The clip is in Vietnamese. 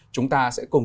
chúng ta sẽ cùng